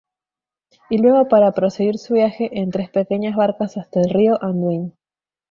Y luego para proseguir su viaje, en tres pequeñas barcas, hasta el río Anduin.